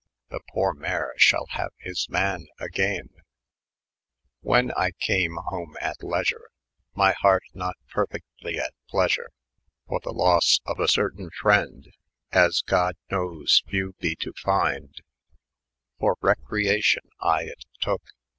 The poore mare shall haoe his man agayn'." ^ Whan I came homo, at lasure, My hert not parfytly at pleasure 6S [p. B.] For the loa of a certayn frynde,^ As good knowes, few be to fy[n] de— For recreacion I it toke.